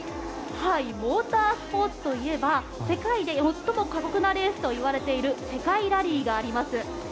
モータースポーツといえば世界で最も過酷なレースといわれている世界ラリーがあります。